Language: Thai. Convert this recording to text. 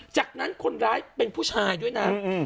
จากนั้นคนร้ายเป็นผู้ชายด้วยนะ